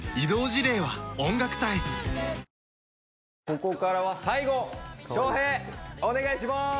ここからは最後翔平お願いします！